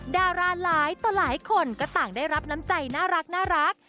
ดาราหลายต่อหลายคนก็ต่างได้รับน้ำใจน่ารัก